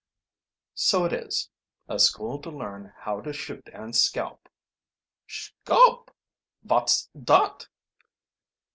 "So it is a school to learn how to shoot and scalp." "Schalp! Vot's dot?"